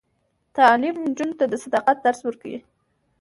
تعلیم نجونو ته د صداقت درس ورکوي.